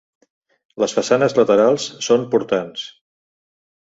Les façanes laterals són portants.